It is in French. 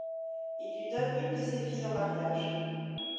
Il lui donne une de ses filles en mariage.